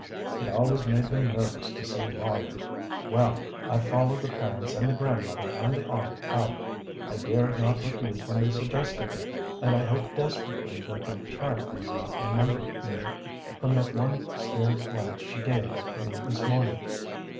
It always made them nervous to see lawyers. Well, I followed the parents and the grandmother and the aunt out. I dared not refuse when they suggested it, and I hoped desperately that the child would not remember me from that one scared glance she gave at me this morning.